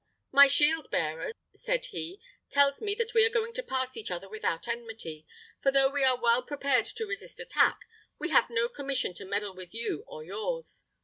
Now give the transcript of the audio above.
"My shield bearer," said he, "tells me that we are to pass each other without enmity; for though we are well prepared to resist attack, we have no commission to meddle with you or yours.